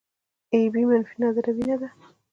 اې بي منفي نادره وینه ده